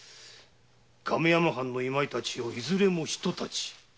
亀山藩の今井たちをいずれも一太刀。